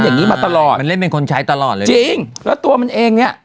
อย่างนี้มาตลอดมันเล่นเป็นคนใช้ตลอดเลยจริงแล้วตัวมันเองเนี้ย